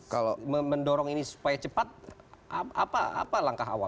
kalau mendorong ini supaya cepat apa langkah awal